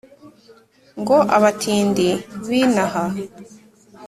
ngo abatindi b'inaha